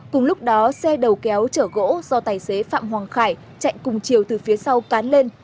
cùng lúc đó xe đầu kéo chở gỗ do tài xế phạm hoàng khải chạy cùng chiều từ phía sau cán lên